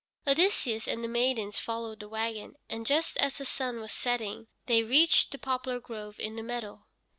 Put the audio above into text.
Odysseus and the maidens followed the wagon, and just as the sun was setting they reached the poplar grove in the meadow.